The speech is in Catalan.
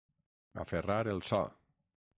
Aferrar el so.